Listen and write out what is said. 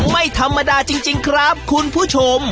ไม่ธรรมดาจริงครับคุณผู้ชม